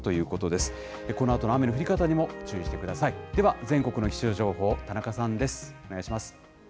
では、全国の気象情報、田中さんです。